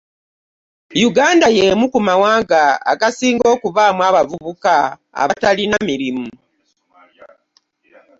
Uganda, y'emu ku mawanga agasinga okubaamu abavubuka abatalina mirimu